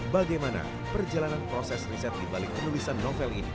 bagaimana perjalanan proses riset di balik penulisan novel ini